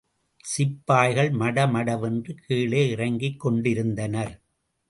சிப்பாய்கள் மடமடவென்று கீழே இறங்கிக் கொண்டிருந்தனர்.